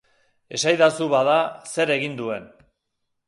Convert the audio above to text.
Esaidazu, bada, zer egin duen.